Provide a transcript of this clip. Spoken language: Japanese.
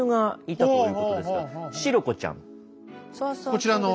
こちらの。